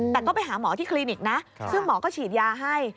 แต่ก็ไปหาหมอที่คลินิกนะซึ่งหมอก็ฉีดยาให้